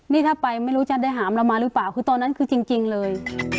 นี่ถ้าไปไม่รู้จะได้หามเรามาหรือเปล่าคือตอนนั้นคือจริงเลย